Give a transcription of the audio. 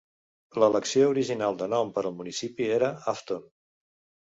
L'elecció original de nom per al municipi era Afton.